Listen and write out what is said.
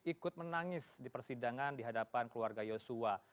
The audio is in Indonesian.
ikut menangis di persidangan di hadapan keluarga yosua